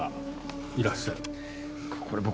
これ僕